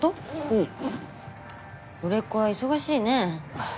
うん売れっ子は忙しいね